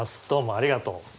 どうもありがとう。